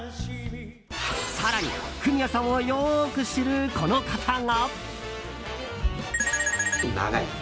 更に、フミヤさんをよく知るこの方が。